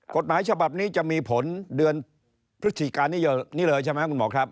กฎหมายฉบับนี้จะมีผลเดือนพฤศจิกานี้เลยใช่ไหมคุณหมอครับ